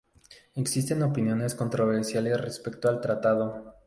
Existen opiniones controversiales respecto al tratado.